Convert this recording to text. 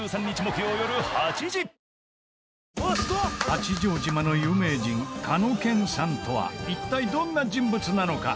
八丈島の有名人かのけんさんとは一体どんな人物なのか？